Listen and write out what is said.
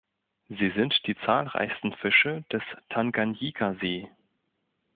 Sie sind die zahlreichsten Fische des Tanganjikasee.